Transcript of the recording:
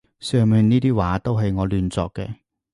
上面呢啲話都係我亂作嘅